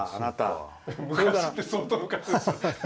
昔って、相当昔ですよ。